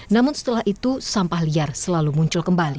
namun setelah itu sampah liar selalu muncul kembali